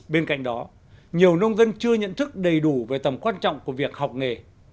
bên cạnh đó nhiều nông dân chưa nhận thức đầy đủ về tầm quan trọng của việc học nghề